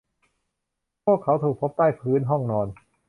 พวกเขาถูกพบใต้พื้นห้องนอน